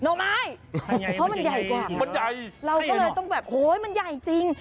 หน่อไม้ก็มันใหญ่กว่าเราก็เลยต้องแบบโอ้ยมันใหญ่จริง